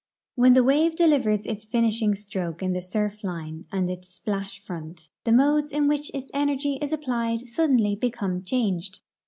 When the wave delivers its finishing stroke in the surf line and its splash front, the modes in which its energy is applied suddenly become changed.